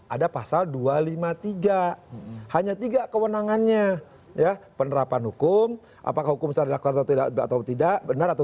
ada pasal dua ratus lima puluh tiga hanya tiga kewenangannya ya penerapan hukum apakah hukum secara dilakukan atau tidak benar atau